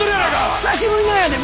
久しぶりなんやて！